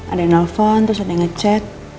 ada yang nelfon terus ada yang nge chat